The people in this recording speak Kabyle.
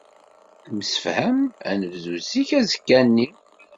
Nemsefham ad nebdu zik azekka-nni.